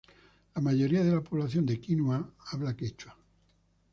La mayoría de la población de Quinua habla quechua.